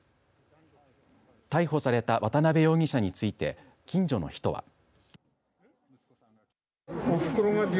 逮捕された渡邊容疑者について近所の人は。